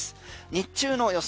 日中の予想